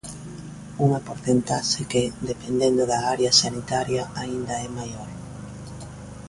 Unha porcentaxe que, dependendo da área sanitaria, aínda é maior.